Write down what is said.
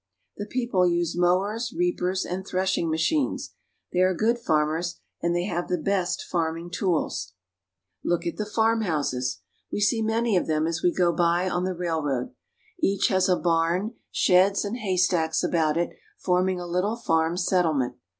The peo ple use mowers, reapers, and threshing machines. They are good farmers, and they have the best farming tools. 52 ENGLAND. Look at the farmhouses ! We see many of them as we go by on the railroad. Each has a barn, sheds, and hay stacks about it, forming a little farm settlement.